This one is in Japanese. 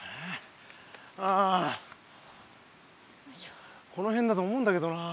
ああこのへんだと思うんだけどなあ。